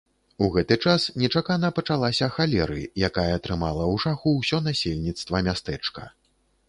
У гэты час нечакана пачалася халеры, якая трымала ў жаху ўсё насельніцтва мястэчка.